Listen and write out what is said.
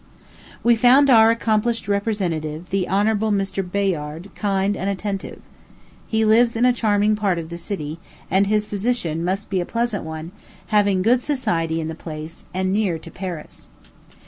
We found our accomplished representative, the Hon. Mr. Bayard, kind and attentive. He lives in a charming part of the city; and his position must be a pleasant one, having good society in the place, and near to Paris.